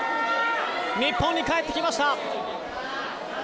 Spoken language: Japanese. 日本に帰ってきました。